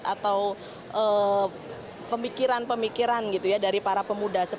atau pemikiran pemikiran dari para pemuda